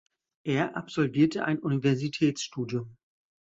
Er absolvierte ein Universitätsstudium.